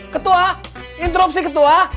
ketua interupsi ketua